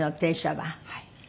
はい。